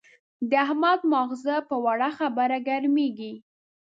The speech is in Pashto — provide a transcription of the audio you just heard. د احمد ماغزه په وړه خبره ګرمېږي.